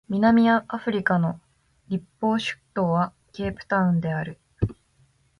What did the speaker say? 南アフリカの立法首都はケープタウンである